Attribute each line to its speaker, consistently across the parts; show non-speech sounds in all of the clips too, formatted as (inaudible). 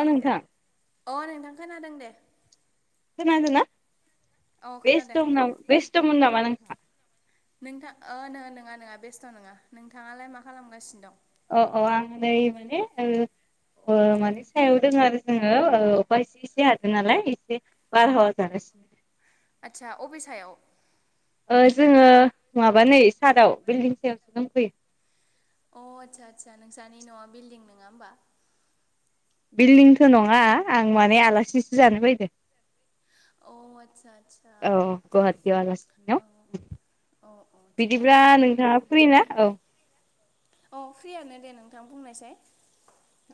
Speaker 1: अ नोंथां।
Speaker 2: अ नोंथां खोनादों दे।
Speaker 1: खोनादों ना?
Speaker 2: औ खोनादों
Speaker 1: बेसथं' ना बेसथ' मोन नामा नोंथाङा?
Speaker 2: नोंथां ओ नङा नङा नङा बेस्थ' नङा नोंथाङालाय मा खालामगासिनो दं?
Speaker 1: अ अ आं नै माने ओ ओ‌ माने सायाव दोङो आरो जोङो ओ अखा एसे एसे हादों नालाय एसे बार हावा जागासिनो।
Speaker 2: आदसा अबे सायाव?
Speaker 1: जोङो माबा नै सादाव बिल्डिं सायावसो दंफैयो।
Speaker 2: अ आदसा आदसा नोंसानि न'आ बिल्डिं नङा होमबा?
Speaker 1: बिल्डिंथ' नङा आं माने आलासिसो जानो फैदों।
Speaker 2: अ आदसा आदसा
Speaker 1: औ गुवाहाटी आव
Speaker 2: औ
Speaker 1: आलासिनिनाव।
Speaker 2: अ अ। थिगानो
Speaker 1: बिदिब्ला
Speaker 2: दे
Speaker 1: नोंथाङा फ्रि ना? औ।
Speaker 2: अ फ्रियानो दे नोंथां बुंनायसाय।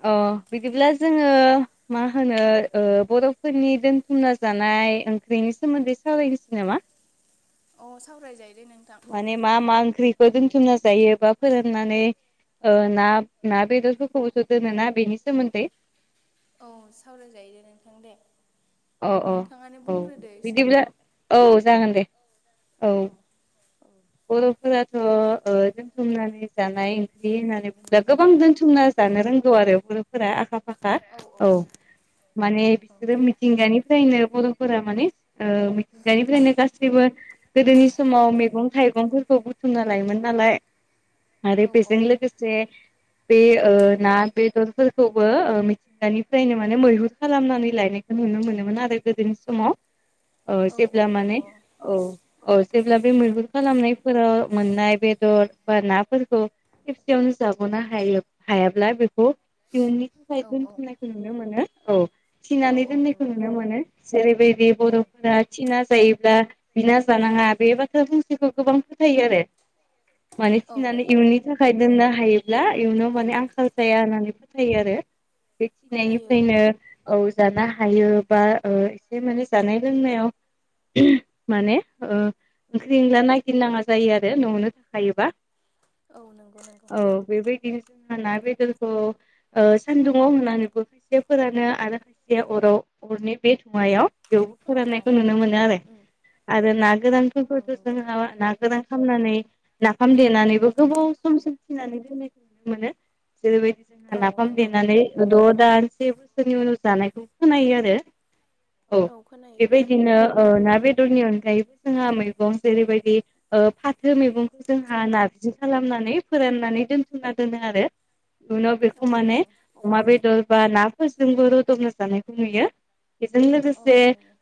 Speaker 1: अ बिदिब्ला जोङो मा होनो ओ बर'फोरनि दोन थुमना जानाय ओंख्रिनि सोमोन्दै सावरायनोसै नामा?
Speaker 2: अ सावरायजायो दे नोंथां।
Speaker 1: माने मा मा ओंख्रिखौ दोनथुमना जायो बा फोराननानै ओ ना ना बेदरफोरखौबोथ' दोनो ना बेनि सोमोन्दै
Speaker 2: औ सावरायजायो नोंथां दे।
Speaker 1: अ अ
Speaker 2: नोंथाङानो
Speaker 1: औ
Speaker 2: बुंग्रोदो एसे
Speaker 1: बिदिब्ला औ जागोन दे। औ बर'फोराथ'ओ दोनथुमनानै जानाय ओंख्रि होननानै बुंला गोबां दोनथुमना जानो रोंगौ आरो बर'फोरा आखा फाखा औ माने बिसोरो मि थिंगानिफ्रायनो बर'फोरा माने ओ मिथिंगानिफ्रायनो गासैबो गोदोनि समाव मेगं थाइगंफोरखौ बुथुमना लायोमोन नालाय। आरोे
Speaker 2: औ
Speaker 1: बेजों लोगोसे बे ओ‌ ना बेदरफोरखौबो ओ मिथिंगानिफ्रायनो माने मैहुर खालामनानै लायनाय नुनो मोनोमोन आरो गोदोनि समाव। औ जेब्ला माने औ औ जेब्ला बे
Speaker 2: औ
Speaker 1: मैहुर खालामनाय फोराव मोननाय बेदर बा नाफोरखौ खेबसेयावनो जाग'नो हायो हायाब्ला बेखौ इयुननि थाखाय
Speaker 2: औ औ
Speaker 1: दोनथुमनायखौ नुनो मोनो औ।
Speaker 2: औ
Speaker 1: थिनानै
Speaker 2: औ
Speaker 1: दोननायखौ
Speaker 2: नंगौ
Speaker 1: नुनो
Speaker 2: नंगौ।
Speaker 1: मोनो जेरैबायदि
Speaker 2: औ
Speaker 1: बर'फोरा थिना जायोब्ला बिना जानाङा बे बाथ्रा फंसेखौ गोबां फोथायो आरो माने
Speaker 2: औ
Speaker 1: थिनानै
Speaker 2: नंगौ औ
Speaker 1: इयुननि थाख खाय दोननो हायोब्ला इयुनाव माने आंखाल जाया होननानै फोथायो आरो। बे
Speaker 2: फोथायो
Speaker 1: खिनायनिफ्रायनो
Speaker 2: औ
Speaker 1: औ जाना हायो बा ओ एसे माने जानाय लोंनायाव माने ओ ओंख्रि ओंला नायगिरनाङा जायो आरो न'आवनो थाखायोबा।
Speaker 2: औ नंगौ नंगौ।
Speaker 1: बेबाइदिनो जोंहा ना बेदरखौ ओ सानदुुङाव होनानैबो खायसेया फोरानो आरो खायसेया अराव अरनि बे धुयायाव बेवबो
Speaker 2: औ औ
Speaker 1: फोराननायखौ नुनो मोनो आरो
Speaker 2: उम
Speaker 1: आरो ना
Speaker 2: औ
Speaker 1: गोरानफोरखौथ'
Speaker 2: नंगौ
Speaker 1: जोंहा
Speaker 2: नंगौ
Speaker 1: ना‌ गोरान खालामनानै नाफाम देनानैबो गोबाव समसिम थिनानै दोननायखौ नुनो मोनो। जेरैबादि जोंहा
Speaker 2: औ
Speaker 1: नाफाम
Speaker 2: नंगौ
Speaker 1: देनानै द' दान से बोसोरनि उनाव जानायखौ खोनायो आरो। औ
Speaker 2: औ खोनायो खोनायो
Speaker 1: बेबायदिनो ओ
Speaker 2: उम
Speaker 1: ना बेदरनि अनगायैबो जोंहा मैगं जेरैबायदि ओ फाथो मैगंखौ जोंहा नारजि खालामनानै फोराननानै दोनथुमना दोनो आरो। उनाव
Speaker 2: औ
Speaker 1: बेखौ माने
Speaker 2: नंगौ
Speaker 1: अमा बेदर बा नाफोरजोंबो रुदुमना जानायखौ नुयो बेजों
Speaker 2: औ
Speaker 1: लोगोसे
Speaker 2: नंगौ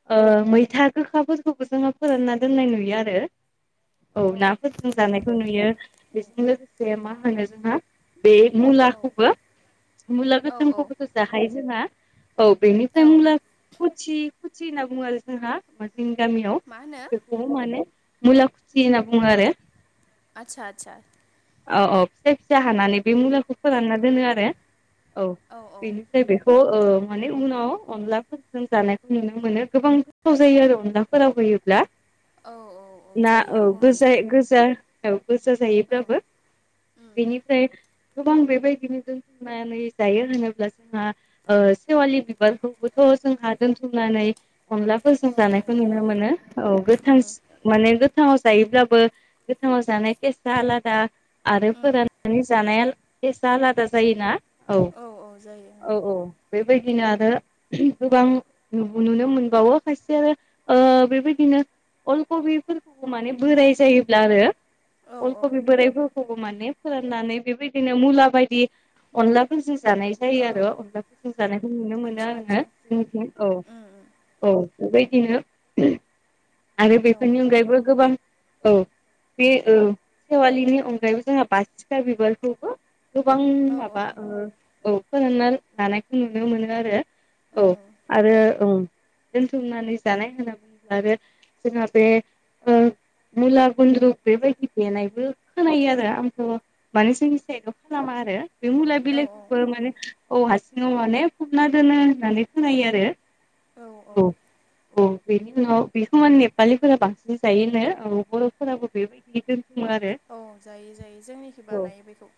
Speaker 1: मैथा गोखाबो खौ जोंङो फोरानना दोननाय नुयो आरो औ नाफोरजों जानायखौ नुयो बेजों लोगोसे मा होनो जोंहा बे
Speaker 2: औ
Speaker 1: मुलाखौबो मुला
Speaker 2: औ औ
Speaker 1: गोथांखौबोथ' जाहायो जोंहा औ बेनिफ्राय
Speaker 2: औ
Speaker 1: होनब्ला कुसि खुसि होनना बुङो आरो जोंहा मा जोंनि गामियाव
Speaker 2: मा होनो
Speaker 1: खौ माने मुला खुसि होनना बुङो आरो
Speaker 2: आतसाा आतसाा
Speaker 1: औ औ फिसा फिसा हानानै बे मुलाखौ फोरानना दोनो आरो औ
Speaker 2: औ औ
Speaker 1: बेनो बेखौ माने उनाव अनलाफोरजों जानायखौ नुनो मोनो गोबां गोस्थाव जायो आरो अनलाफोराव होयोब्ला
Speaker 2: औ औ
Speaker 1: ना
Speaker 2: जायो
Speaker 1: औ
Speaker 2: आंबो
Speaker 1: गोज
Speaker 2: मोनजादों
Speaker 1: गोजा औ गोजा
Speaker 2: औ
Speaker 1: जायोब्लाबो
Speaker 2: उम
Speaker 1: बेनिफ्राय गोबां बेबायदिनो जोंनानै जायो होनोब्ला जोंहा ओ सेवालि बिबारखौबोथ' जोंहा दोनथुमनानै अनला गोजों
Speaker 2: औ औ
Speaker 1: जानायखौ नुनो
Speaker 2: जायो
Speaker 1: मोनो औ गोथां
Speaker 2: उम
Speaker 1: माने गोथाङाव जायोब्लाबो गोथाङाव जानाय केसा आलादा आरो
Speaker 2: उम
Speaker 1: फोराननानै जानाया फेसआ आलादा जायोना औ औ औ बेबायदि बिदिनो आरो गोबां नुनो मोनबावो खायसे आरो बेबायदिनो अलकबिफोरखौबो माने बोराय जायोब्ला आरो
Speaker 2: औ औ
Speaker 1: (unintelligible) मान फोराननानै बेबायदिनो मुला बायदि अनलाफोर जि जानाय जायो
Speaker 2: औ
Speaker 1: आरो अनलाखौ जों जानायखौ नुनो मोनो
Speaker 2: आदसा आदसा
Speaker 1: आरोङा जोंनिथिं औ
Speaker 2: उम उम
Speaker 1: औ बेबायदिनो आरो बेफोरनि
Speaker 2: औ
Speaker 1: अनगायैबो गोबां औ बे सेवालिनि अनगायैबो जोंहा बासिखा बिबारखौबो गोबां
Speaker 2: औ
Speaker 1: माबा औ फोरोंना लानायखौ नुनो मोनो आरो औ
Speaker 2: उम
Speaker 1: आरो दोनथुमनानै जानाय होनना बुङोब्ला आरो जोंहा बे मुला गुन्द्रु बेबायदि देनायबो खोनायो आरो आंथ' माने जोंनि साइडआव खालामा आरो बे मुला
Speaker 2: औ
Speaker 1: बिलाइखौबो
Speaker 2: औ
Speaker 1: माने औ हारसिङाव माने हमना दोनो होननानै खोनायो आरो
Speaker 2: औ औ
Speaker 1: औ बेनि उनाव बेखौ मान नेपालिफोरा बांसिन जायोनो औ बर'फोराबो बेबायदि बि दोनथुमो आरो
Speaker 2: औ जायो जायो जोंनिखि
Speaker 1: औ
Speaker 2: बानायो बेखौ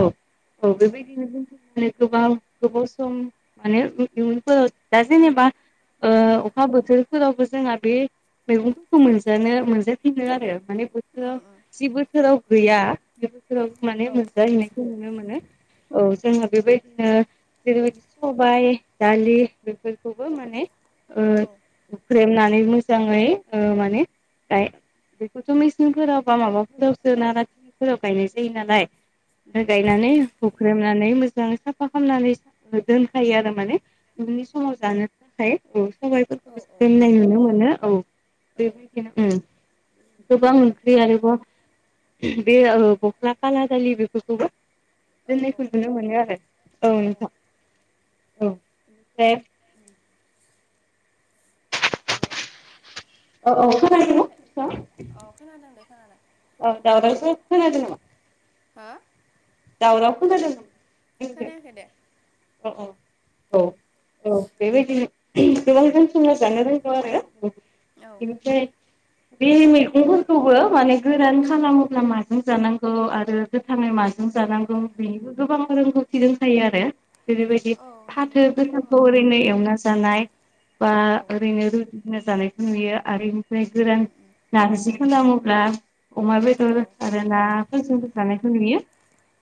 Speaker 1: औ औ
Speaker 2: उम
Speaker 1: बेबायदिनो जोंथिनानै गोबां गोबाव सम माने इ दा जेनेबा अखा बोथोरफोरावबो जोंहा बे मैगंफोरखौ मोनजानो मोनजाफिनो आरो माने बोथोराव जि बोसोराव गैया बे बोसोराव माने
Speaker 2: औ
Speaker 1: मोनजाहैनायखौ नुनो मोनो औ जोङो बेबायदिनो जेरै सबाइ दालि बेफोरखौबो माने
Speaker 2: औ
Speaker 1: हुख्रेमनानै मोजाङै माने दाय बेखौथ' मेसेंफोराव बा माबाफोरावसो ना ना थिलिफोराव गायनाय जायो नालाय
Speaker 2: औ
Speaker 1: गायनानै हुख्रेमनानै मोजाङै साफा खालामनानै दोनखायो आरो माने उननि समाव जानो थाखाय
Speaker 2: औ
Speaker 1: सबाइफोरखौ दोननाय नुनो मोनो औ बेबायदिनो गोबां ओंख्रि आरोबाव बे गस्ला खाला दालि बेफोरखौबो (unintelligible)
Speaker 2: औ
Speaker 1: दोननायखौ नुनो मोनो आरो औ नोंथां ओमफ्राय
Speaker 2: हेल'
Speaker 1: औ औ खोनादों (unintelligible)
Speaker 2: अ खोनादों दे खोनादों
Speaker 1: औ नामा
Speaker 2: औ
Speaker 1: (unintelligible)
Speaker 2: हो
Speaker 1: दावराव
Speaker 2: हेल'
Speaker 1: खोनादों
Speaker 2: खोनायाखै दे
Speaker 1: (unintelligible) औ बेबायदिनो गोबां (unintelligible) रोंगौ आरो
Speaker 2: औ
Speaker 1: बेनिफ्राय (inaudible) बे मैगंफोरखौबो माने गोरान खालामोब्ला माजों जानांगौ आरो गोथाङै माजों
Speaker 2: औ
Speaker 1: जानांगौ बेनिबो गोबां (unintelligible) आरो जेरैबायदि
Speaker 2: औ नंगौ
Speaker 1: फाथो
Speaker 2: औ
Speaker 1: गोथांखौ ओरैनो एवना जानाय बा
Speaker 2: औ
Speaker 1: ओरैनो रुना जानायखौ नुयो आरो बेनिफ्राय
Speaker 2: उम
Speaker 1: गोरान
Speaker 2: उम
Speaker 1: नारजिखौ होनब्ला अमा
Speaker 2: औ
Speaker 1: बेदर आरो ना फोरजोंबो जानायखौ नुयो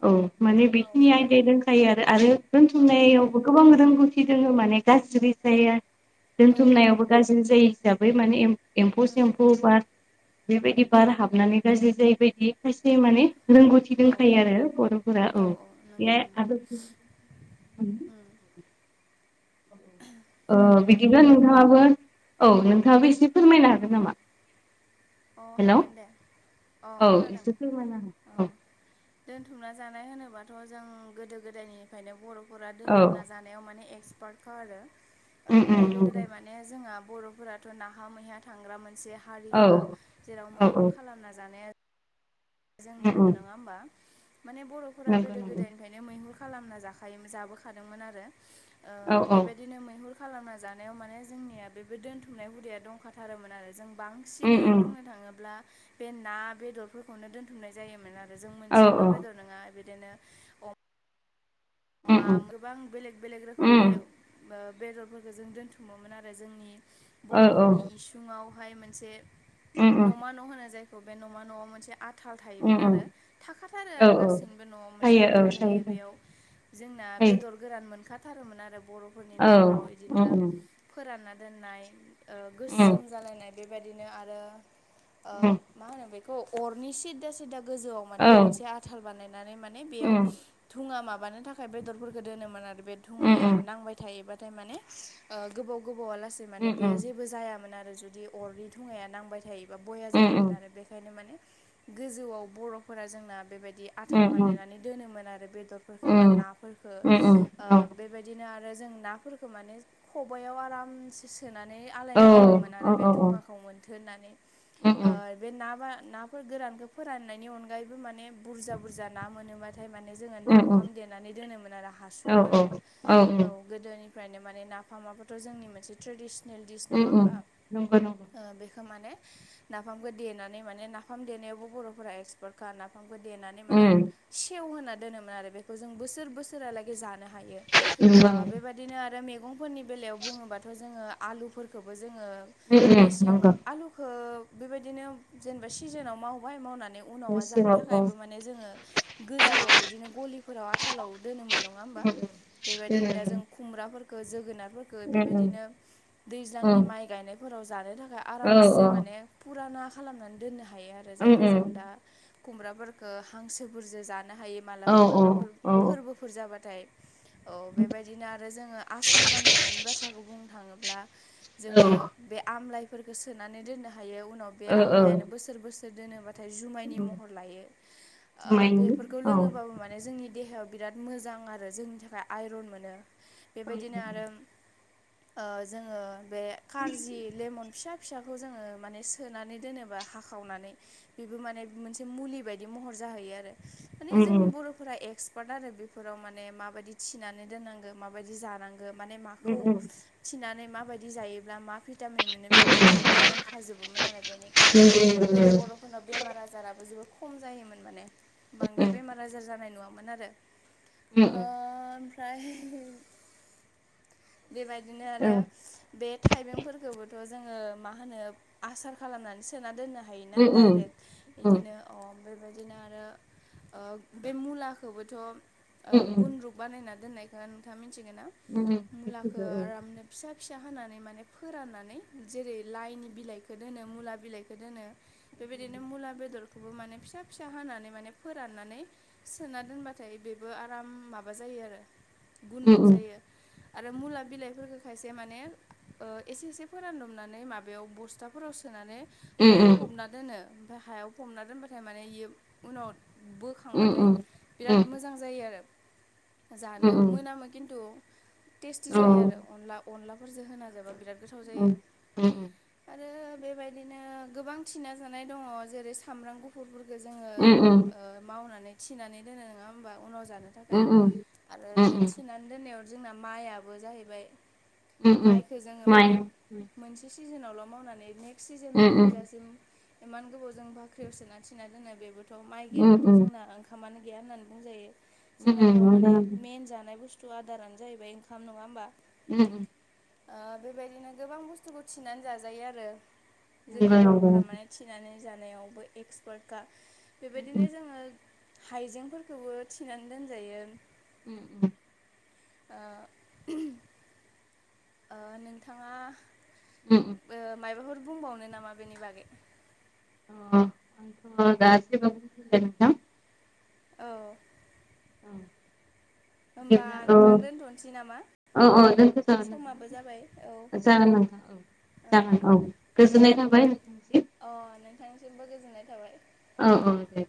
Speaker 1: औ माने
Speaker 2: औ
Speaker 1: बेखिनि आयदाया दंखायो आरो आरो
Speaker 2: औ
Speaker 1: दोनथुमनायाव गोबां रोंगौथि दोङो माने गाज्रि जाया (unintelligible)
Speaker 2: औ
Speaker 1: दोनथुमनायावबो गाज्रि जायो हिसाबै माने एम्फौ
Speaker 2: उम
Speaker 1: सेम्फौ बा बेबायदि बार हाबनानै गाज्रि जायैबायायदि खायसे माने रोंगौथि
Speaker 2: औ
Speaker 1: दंखायो आरो औ (unintelligible)
Speaker 2: नंगौ उम हेलौ
Speaker 1: बिदिब्ला नोंथाङाबो औ नोंथाङाबो एसे फोरमायनो
Speaker 2: अ
Speaker 1: हागोन नामा
Speaker 2: अ
Speaker 1: हेल'
Speaker 2: हागोन दे
Speaker 1: औ एसे फोरमायनाहो
Speaker 2: औ दोनथुमना जानाय होनोबाथ' जों गोदो गोदायनि बर'फोरा
Speaker 1: औ
Speaker 2: दोनथुमना जानायाव माने एक्सपार्टखा आरो
Speaker 1: उम उम
Speaker 2: गोदो
Speaker 1: नंगौ
Speaker 2: गोदाय माने माने जोंहा बर'फोराथ' नाहा मैया थांग्रा मोनसे
Speaker 1: औ
Speaker 2: हारिखा जेराव
Speaker 1: औ औ
Speaker 2: मैहुर खालामना जानाया जोंनि
Speaker 1: उम
Speaker 2: बर'
Speaker 1: उम
Speaker 2: नङा होमबा माने बर'फोरा
Speaker 1: नंगौ
Speaker 2: गोदो
Speaker 1: नंगौ
Speaker 2: गोदायनि ओंखायनो मैहुर खालामना जाखायोमोन जाबोखादोंमोन आरो
Speaker 1: औ औ
Speaker 2: बेबायदिनो मैहुर खालामना जानायाव माने जोंनिया बेबो दोनथुमनाय हुदाया दंखाथारोमोन आरो जों बां
Speaker 1: उम
Speaker 2: बांसिनै
Speaker 1: उम
Speaker 2: बुंनो थाङोब्ला बे ना बेदरफोरखौनो दोनथुमनाय जायोमोन आरो आरो जों
Speaker 1: औ औ
Speaker 2: मोनसेल'
Speaker 1: उम
Speaker 2: बेदर नङा बिदिनो मा
Speaker 1: उम उम
Speaker 2: (inaudible) गोबां बेलेग बेलेग रोखोमनि बेदरफोरखौ जों दोनथुमोमोन आरो जोंनि
Speaker 1: औ औ
Speaker 2: बर'फोरनि इसुङावहाय मोनसे
Speaker 1: उम उम
Speaker 2: नमा न' होनो जायखौ बे न'मा न'आव मोनसे आ थाल
Speaker 1: उम
Speaker 2: थायोमोन
Speaker 1: उम
Speaker 2: आरो थाखाथारो
Speaker 1: औ
Speaker 2: आरो
Speaker 1: औ
Speaker 2: गासैनिबो न'आव मोनसे
Speaker 1: थायो औ
Speaker 2: आथाल थायो बेयाव जोंना
Speaker 1: थायो
Speaker 2: बेदर गोरान मोनखाथारोमोन आरो बर'फोरनि
Speaker 1: औ
Speaker 2: न'खराव
Speaker 1: उम
Speaker 2: इदिनो
Speaker 1: उम
Speaker 2: फोरानना दोननाय
Speaker 1: उम
Speaker 2: गोसोम जालायनाय बेबायदिनो आरो
Speaker 1: उम
Speaker 2: ओ मा होनो बेखौ अरनि सिदा सिदा गोजौआव
Speaker 1: औ
Speaker 2: माने
Speaker 1: उम
Speaker 2: मोनसे आ आथाल बानायनानै माने बेयाव धुङा माबानो थाखाय बेदरफोरखौ दोनोमोन आरो बे
Speaker 1: उम
Speaker 2: धुङाया
Speaker 1: उम
Speaker 2: नांबाय थायोबाथाय माने गोबाव गोबाव आलासि
Speaker 1: उम
Speaker 2: माने बेयो जेबो जायामोन आरो जुदि अरनि धुङाया नांबाय थायो एबा
Speaker 1: उम उम
Speaker 2: बयाजायामोन आरो बेखायनो माने गोजौआव बर'फोरा जोंना बेबायदि आथाल बानायनानै दोनोमोन आरो बेदरफोरफोरखौ बा
Speaker 1: उम
Speaker 2: नाफोरखो
Speaker 1: उम उम
Speaker 2: बे बेबायदिनो आरो जों नाफोरखो माने खबाइआव आरामसे सोनानै
Speaker 1: औ
Speaker 2: आलायना दोनोमोन आरो बे
Speaker 1: औ
Speaker 2: धुङाखौ मोनथो होननानै
Speaker 1: उम
Speaker 2: ओ
Speaker 1: उम
Speaker 2: बे ना ना फोर गोरानखौ फोराननायनि अनगायैबो माने बुरजा बुरजा ना मोनोबाथाय माने जोङो नाफाम देनानै दोनोमोन आरो
Speaker 1: औ
Speaker 2: हासुंफोराव औ गोदोनिफ्रायनो माने नाफामाबोथ' जोंनि मोनसे ट्रेडिसनेल दिडस नङा
Speaker 1: उम
Speaker 2: होमबा
Speaker 1: उम नंगौ नंगौ
Speaker 2: बेखौ माने नाफामखौ देनानै माने नाफाम देनायावबो बर'फोरा एक्सपार्ट खा नाफामखौ देनानै
Speaker 1: उम
Speaker 2: माने सेवहोना दोनोमोन आरो बेखौ जों बोसो सोर बोसोरहालागै जानो हायो
Speaker 1: उम
Speaker 2: बेबाय बिब्दिनो आरो मैगंफोरनि बेलायाव बुङोबाथ' जोङो आलुफोरखौबो जोङो मेसें
Speaker 1: नंगौ
Speaker 2: आलुखौ बेबायदिनो जेनेबा सिजोनाव मावबाय मावनानै उनावा जानो
Speaker 1: मेसेङाव औ
Speaker 2: थाखायबो माने जोङो गोजौआव बिदिनो गलिफोराव आथालाव दोनोमोन। नङा होमबा बेबायदिनो दा जों
Speaker 1: उम
Speaker 2: खुमब्राफोरखौ जोगोनारफोर खो
Speaker 1: उम
Speaker 2: बेबायदिनो दैज्लांनि
Speaker 1: उम
Speaker 2: माइ गायनायफोराव जानो थाखाय
Speaker 1: औ
Speaker 2: आरामसे
Speaker 1: औ
Speaker 2: माने फुराना खालामनानै दोननो हायो आरो
Speaker 1: उम
Speaker 2: जायखौ
Speaker 1: उम
Speaker 2: जों दा खुमब्राफोरफोरखौ हांसोफोरजो जानो हायो
Speaker 1: औ
Speaker 2: मालाबा माबाफोर
Speaker 1: औ
Speaker 2: फोरबोफोर जाबाथाय। औ बेबायदिनो आरो जोङो आसार बानायनायनि बाथ्राखौ बुंनो थाङोब्ला जोङो बे आमलाइफोरखौ सोनानै दोननो हायो उनाव बे
Speaker 1: औ
Speaker 2: आमलायानो बोसोर बोसो सोर दोनोबाथाय जुमायनि महर लायो बेफोरखौ लोङोबाबो माने जोंनि देहायाव बिराद मोजां आरो जोंनि थाखाय आइरन मोनो बेबायदिनो आरो जोङो बे कार्जि लेमन फिसा फिसाखौ जोङो माने सोनानै दोनोब्ला हाखावनानै बेबो माने मोनसे मुलि बायदि महर जाहैयो आरो माने जोंनि बर'फोरा एक्स (unintelligible) आरो बेफोराव माने माबायदि थिनानै दोननांगौ माबायदि जानांगौ माने माखौ थिनानै माबायदि जायोब्ला मा भिटामिन मोनो बेखौ खौ बर'फोरा रोंखाजोबोमोन आरो
Speaker 1: औ
Speaker 2: बेनिखायनो गोदो
Speaker 1: औ
Speaker 2: बर' फोरनाव बेमार आजाराबो जोबोर खम जायोमोन माने
Speaker 1: दा
Speaker 2: बांद्राय बेमार आजार जानाय नुवामोन आरो। ओमफ्राय बेबायदिनो आरो बे थाइबेंफोरखौबोथ' जोङो मा होनो आसार खालामनानै सोना दोननो हायोना डाइरेक्ट बिदिनो
Speaker 1: एसेबाबो
Speaker 2: अ बेबायदिनो आरो बे मुलाखौबोथ' गुनद्रु बानायना दोननायखौ नोंथाङा मिथिगोन ना मुलाखौ आरामनो। फिसा फिसा हानानै माने फोराननानै जेरै लाइनि बिलाइखौ दोनो मुला बिलाइखौ दोनो बेबायदिनो मुला बेदरखौबो माने फिसा फिसा हानै माने फोराननानै सोना दोनबा नाथाय बेबो आराम माबा जायो आरो गुन्द्रुग जायो। आरो मुला बिलाइफोरखौ खायसे माने एसे एसे फोरानदबनानै माबायाव बस्था फोराव सोनानै हायाव फबना दोनो ओमफाय हायाव फबना दोनबाथाय माने बि उनाव बोख खांबाथाय बिराद मोजां जायो आरो जानो मोनामो खिन्थु टेस्टि जायो आरो अनला अनलाफोरजों होना जाबा बिराद गोथाव जायो। आरो बेबायदिनो गोबां थिना जानाय दङ जेरै सामब्राम गु फुरफोरखौ जोङो मावनानै थिनानै दोनो नङा होमबा उनाव जानो थाखाय आरो बे थिनानै दोननायाव जोंना माइआबो जाहैबाय माइखौ जोङो
Speaker 1: बुंबाय
Speaker 2: माने मोनसे सिजोनावल' मावनानै नेक्स्ट सिजोन मोनफैजासिम इमान गोबाव जों बाख्रियाव सोना थिना दोननाय बेबोथ' माइ गैयाब्लाथ'
Speaker 1: नोंथां
Speaker 2: जोंना ओंखामानो गैया होननानै बुंजायो जोंनाथ' माने मेन जानाय बुस थु आदारानो जाहैबाय ओंखाम नङा होनबा?
Speaker 1: उम उम।
Speaker 2: ओ बेबायदिनो गोबां बुस्थुखौ थिनानै जाजायो आरो जोंनि बर'फोरा माने थिनानै जानायावबो एक्सपार्टखा बेबायदिनो जोङो हाइजेंफोरखौबो थिनानै दोनजायो।
Speaker 1: (inaudible)
Speaker 2: ओ ओ नोंथाङा
Speaker 1: उम
Speaker 2: ओ मबाफोर बुंबावनो नामा बेनि बागै?
Speaker 1: अ आंथ दा जेबो बुंथला नोंथां।
Speaker 2: औ
Speaker 1: औ
Speaker 2: होमबा
Speaker 1: बिदिब्ला ओ,
Speaker 2: नोंथां दोनथ'नोसै नामा?
Speaker 1: औ औ दोनथ जागोन
Speaker 2: समाबो जाबाय औ
Speaker 1: नोंथां जागोन नोंथां औ जागोन औ। गोजोननाय थाबाय। नोंथांसिम
Speaker 2: अ नोंथांनिसिमबो गोजोननाय थाबाय।
Speaker 1: औ औ दे।